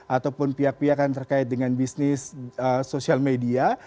ataupun pihak pihak yang terkait dengan bisnis sosial media